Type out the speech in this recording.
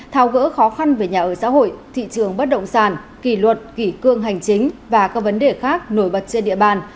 thao gỡ khó khăn về nhà ở xã hội thị trường bất động sản kỷ luật kỷ cương hành chính và các vấn đề khác nổi bật trên địa bàn